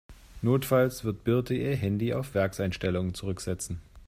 Notfalls wird Birte ihr Handy auf Werkseinstellungen zurücksetzen.